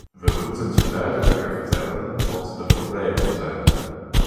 We moeten ze duidelijker vertellen wat de problemen zijn.